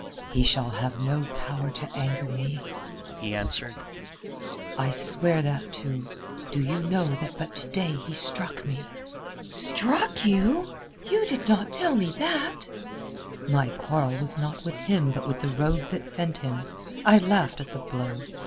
"He shall have no power to anger me," he answered. "I swear that too. Do you know that but to day he struck me?" "Struck you? You did not tell me that!" "My quarrel was not with him but with the rogue that sent him. I laughed at the blow.